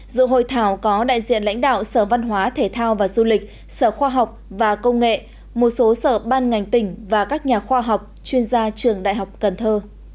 dự hội thảo có đại diện lãnh đạo sở văn hóa thể thao và du lịch sở khoa học và công nghệ một số sở ban ngành tỉnh và các nhà khoa học chuyên gia trường đại học cần thơ